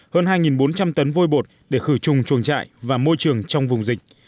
hơn hai bốn trăm linh tấn vôi bột để khử trùng chuồng trại và môi trường trong vùng dịch